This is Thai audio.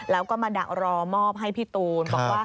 แล้วก็มาดักรอมอบให้พี่ตูน